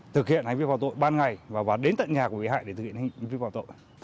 thực hiện hành vi phòng tội ban ngày và đến tận nhà của vị hại để thực hiện hành vi phòng tội